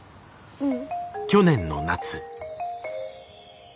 うん？